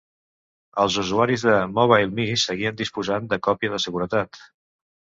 Els usuaris de MobileMe seguien disposant de còpia de seguretat.